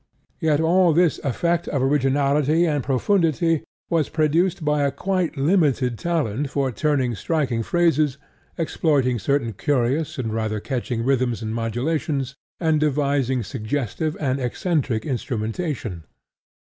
Yet all this effect of originality and profundity was produced by a quite limited talent for turning striking phrases, exploiting certain curious and rather catching rhythms and modulations, and devising suggestive or eccentric instrumentation.